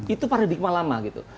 itu paradigma lama gitu